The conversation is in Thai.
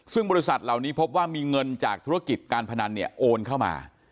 ซึ่งบริษัทเหล่านี้พบว่ามีเงินจากธุรกิจการพนันเนี่ยโอนเข้ามา